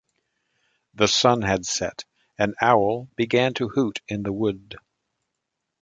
The sun had set; an owl began to hoot in the wood.